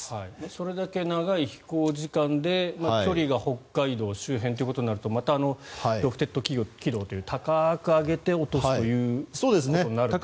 それだけ長い飛行時間で距離が北海道周辺ということになるとまたロフテッド軌道という高く上げて落とすということになるんですかね。